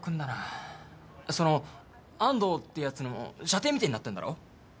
その安藤ってやつの舎弟みてえになってんだろ？